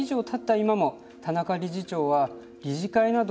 今も田中理事長は理事会など